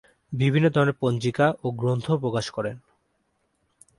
বিভিন্ন ধরনের পঞ্জিকা ও গ্রন্থ প্রকাশ করেন।